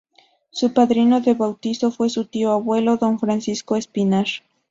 Su padrino de bautizo fue su tío abuelo Don Francisco Espinar.